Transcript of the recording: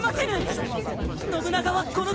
信長はこの国を。